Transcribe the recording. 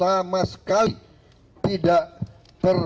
atau boleh dilakukan